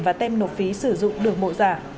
và tem nộp phí sử dụng đường mộ giả